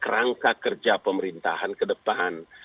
kerangka kerja pemerintahan ke depan